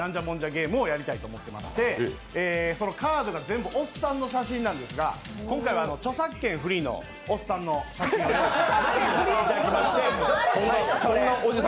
ゲームをやりたいと思いましてカードが全部おっさんの写真なんですが今回は著作権フリーのおっさんの写真を用意しました。